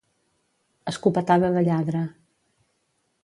Escopetada de lladre.